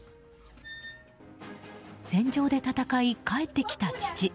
戦場で戦い、帰ってきた父。